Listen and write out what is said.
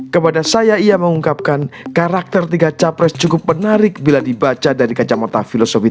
kepada saya ia mengungkapkan karakter tiga capres cukup menarik bila dibaca dari kacamata filosofi